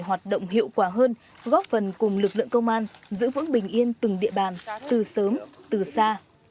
hoạt động hiệu quả hơn góp phần cùng lực lượng công an giữ vững bình yên từng địa bàn từ sớm từ xa